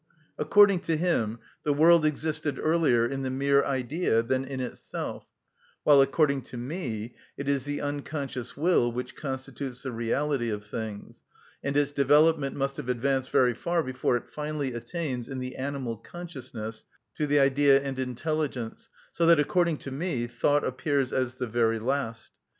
According to him the world existed earlier in the mere idea than in itself; while according to me it is the unconscious will which constitutes the reality of things, and its development must have advanced very far before it finally attains, in the animal consciousness, to the idea and intelligence; so that, according to me, thought appears as the very last.